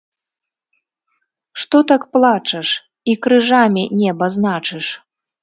Што так плачаш, і крыжамі неба значыш?